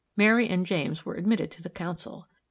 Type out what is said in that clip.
Mary and James were admitted to the council.